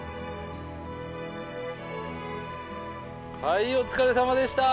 はいお疲れさまでした！